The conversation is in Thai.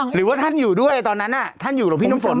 หรือว่าท่านอยู่ด้วยตอนนั้นท่านอยู่หลวงพี่น้ำฝน